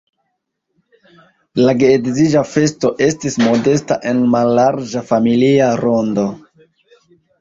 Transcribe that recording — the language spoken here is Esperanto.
La geedziĝa festo estis modesta en mallarĝa familia rondo.